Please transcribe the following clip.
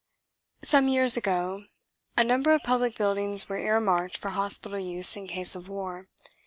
Some years ago a number of public buildings were earmarked for hospital use in case of war.